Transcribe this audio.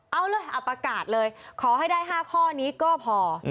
เอาเลยเอาประกาศเลยขอให้ได้๕ข้อนี้ก็พอ